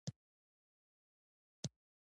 یا ورته لږ اهمیت ورکول کېږي.